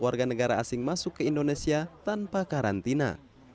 warga negara asing masuk ke indonesia tanpa karantina